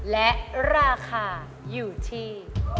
และราคาอยู่ที่